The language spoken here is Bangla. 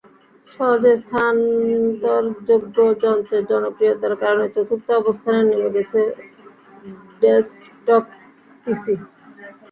সহজে স্থানান্তরযোগ্য যন্ত্রের জনপ্রিয়তার কারণে চতুর্থ অবস্থানে নেমে গেছে ডেস্কটপ পিসি।